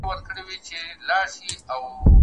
¬ چي کلی په نامه لري، يو خوى تر نورو ښه لري.